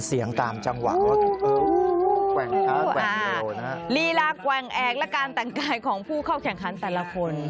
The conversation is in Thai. เสียงตามจังหวังว่าเออแกว่งแอกแกว่งแอกแล้วการแต่งกายของผู้เข้าแข่งคันแต่ละคน